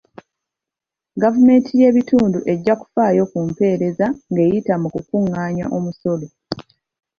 Gavumenti y'ebitundu ejja kufaayo ku mpeereza ng'eyita mu kukungaanya omusolo.